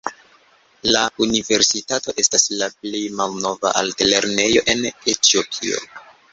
La universitato estas la plej malnova altlernejo en Etiopio.